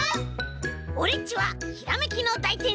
オレっちはひらめきのだいてんさい！